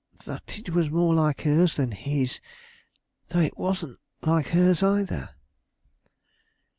"That it was more like hers than his, though it wasn't like hers either."